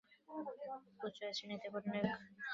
উচ্চ আয়ের শ্রেণিতে পড়েন এমন অনেক লোক করের আওতার বাইরে আছে।